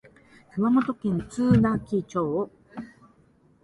熊本県津奈木町